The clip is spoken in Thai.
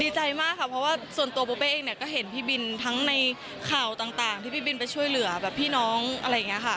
ดีใจมากค่ะเพราะว่าส่วนตัวปูเป้เองเนี่ยก็เห็นพี่บินทั้งในข่ำหลังของคุณไปช่วยเหลือพี่น้องนะคะ